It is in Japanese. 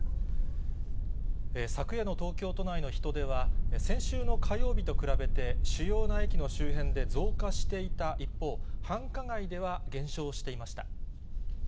昨夜の東京都内の人出は、先週の火曜日と比べて、主要な駅の周辺で増加していた一方、繁華街では減少していました。